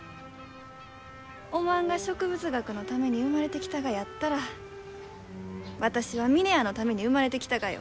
おまんが植物学のために生まれてきたがやったら私は峰屋のために生まれてきたがよ。